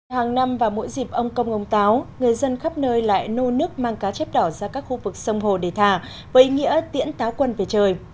hàng năm vào mỗi dịp ông công ông táo người dân khắp nơi lại nô nước mang cá chép đỏ ra các khu vực sông hồ để thả với ý nghĩa tiễn táo quân về trời